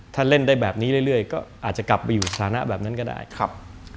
ถ้าเล่นได้แบบนี้เรื่อยก็อาจจะกลับไปอยู่สถานะแบบนั้นก็ได้ครับ